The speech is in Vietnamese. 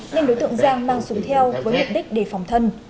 nên đối tượng giang mang súng theo với mục đích để phòng thân